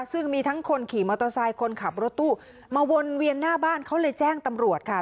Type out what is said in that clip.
ซึ่งมีทั้งคนขี่มอเตอร์ไซค์คนขับรถตู้มาวนเวียนหน้าบ้านเขาเลยแจ้งตำรวจค่ะ